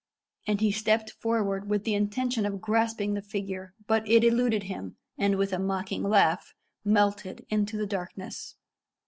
And he stepped forward with the intention of grasping the figure, but it eluded him, and, with a mocking laugh, melted into the darkness.